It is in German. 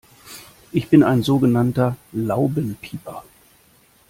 Ich bin ein so genannter Laubenpieper.